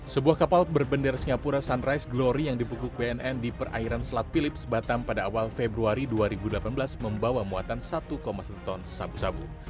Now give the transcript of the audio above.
sebuah kapal berbendera singapura sunrise glory yang dipukuk bnn di perairan selat philips batam pada awal februari dua ribu delapan belas membawa muatan satu satu ton sabu sabu